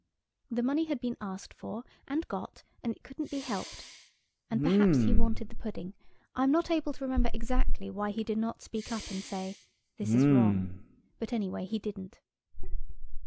The money had been asked for and got, and it couldn't be helped–and perhaps he wanted the pudding–I am not able to remember exactly why he did not speak up and say, "This is wrong" but anyway he didn't.